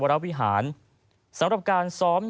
ที่มีโอกาสได้ไปชม